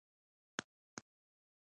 همدلته پر همدې چوکۍ کرزى ناست و.